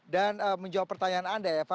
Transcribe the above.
dan menjawab pertanyaan anda eva